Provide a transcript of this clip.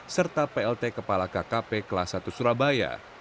serta plt kepala kkp kelas satu surabaya